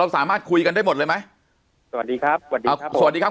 เราสามารถคุยกันได้หมดเลยไหมสวัสดีครับสวัสดีครับ